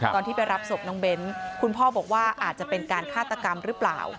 ตอนที่ไปรับศพน้องเบ้นคุณพ่อบอกว่าอาจจะเป็นการฆาตกรรมหรือเปล่า